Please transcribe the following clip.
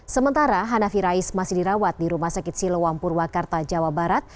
sementara hanafi rais masih dirawat di rumah sakit siloam purwakarta jawa barat